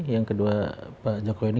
yang kedua pak jokowi ini